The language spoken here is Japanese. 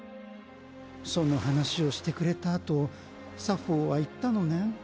その話をしてくれたあとサフォーは言ったのねん。